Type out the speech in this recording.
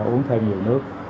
uống thêm nhiều nước